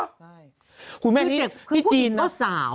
ใช่คุณแม่นิดนึงคือผู้หญิงก็สาว